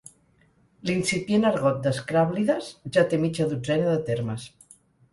L'incipient argot d'Escràblides ja té mitja dotzena de termes.